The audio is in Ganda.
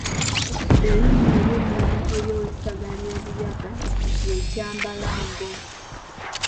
Erinnya ery’ennono ery’owessaza ly’e Buyaga ye Kyambalango.